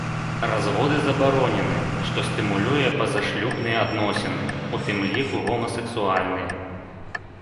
Разводы забаронены, што стымулюе пазашлюбныя адносіны, у тым ліку гомасексуальныя.